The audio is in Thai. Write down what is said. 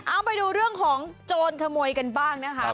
เอาไปดูเรื่องของโจรขโมยกันบ้างนะคะ